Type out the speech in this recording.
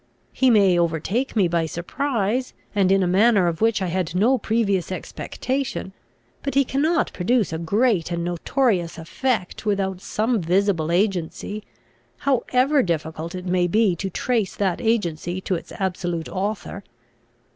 He may overtake me by surprise, and in a manner of which I had no previous expectation; but he cannot produce a great and notorious effect without some visible agency, however difficult it may be to trace that agency to its absolute author.